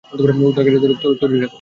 উদ্ধারকর্মীদের তৈরি রাখো।